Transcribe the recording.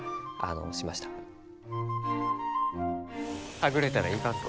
はぐれたらいかんぞ。